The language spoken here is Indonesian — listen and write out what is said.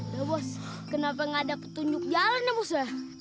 ya bos kenapa ga ada petunjuk jalan nih bos ya